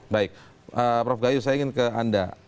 baik prof gayu saya ingin ke anda